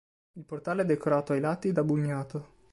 Il portale è decorato ai lati da bugnato.